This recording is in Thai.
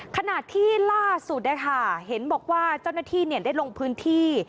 ขณะที่ล่าสุดเห็นบอกว่าเจ้าหน้าที่ได้ลงพื้นที่